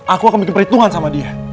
aku akan minta perhitungan sama dia